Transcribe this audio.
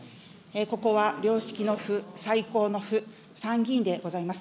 ここは良識の府、最高の府、参議院でございます。